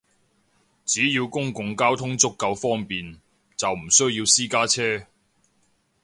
只要公共交通足夠方便，就唔需要私家車